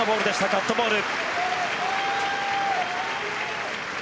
カットボール。